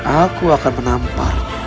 aku akan menampar